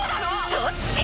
どっちが！